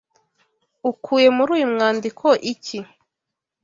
ukuye muri uyu mwandiko iki